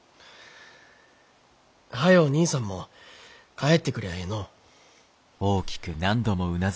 早う兄さんも帰ってくりゃあええのう。